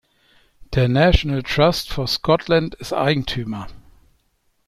Der National Trust for Scotland ist Eigentümer.